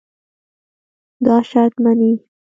دا شرط منې.